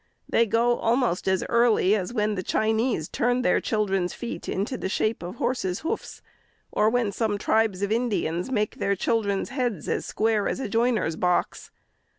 They go almost as early, as when the Chinese turn their chil dren's feet into the shape of horses' hoofs ; or when some tribes of Indians make their children's heads as square as a joiner's box.